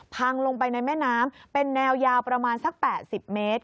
พังลงไปในแม่น้ำเป็นแนวยาวประมาณสัก๘๐เมตร